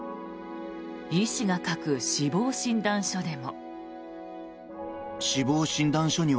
医師が書く死亡診断書でも。